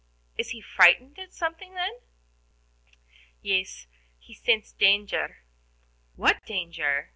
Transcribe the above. "Is he frightened at something, then?" "Yes, he scents danger." "What danger?"